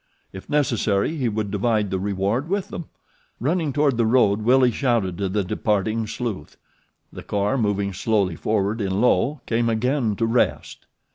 If necessary he would divide the reward with them! Running toward the road Willie shouted to the departing sleuth. The car, moving slowly forward in low, came again to rest.